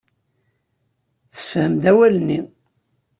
Tessefhem-d awal-nni.